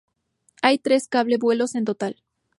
Hay tres cable vuelos en total.